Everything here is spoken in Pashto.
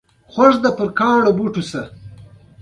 هغوی ډېر نرم زړه لري او له ماشومانو سره مرسته کوي.